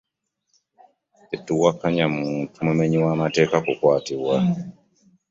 Tetuwakanya muntu mumenyi w'amateeka kukwatibwa.